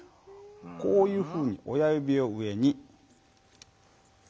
こういうふうに親ゆびを上に。